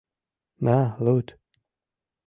— На луд...